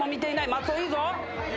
松尾いいぞ。